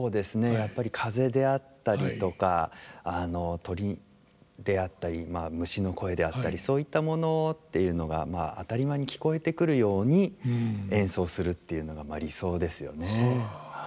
やっぱり風であったりとか鳥であったり虫の声であったりそういったものっていうのが当たり前に聞こえてくるように演奏するっていうのがまあ理想ですよね。